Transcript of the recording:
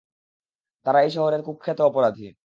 তারা এই শহরের কুখ্যাত অপরাধী।